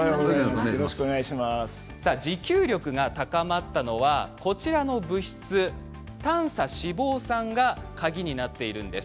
持久力が高まったのはこちらの物質、短鎖脂肪酸が鍵になっているんです。